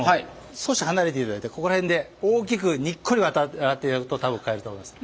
少し離れていただいてここら辺で大きくにっこり笑っていただくと多分買えると思います。